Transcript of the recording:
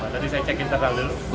tadi saya cek internal dulu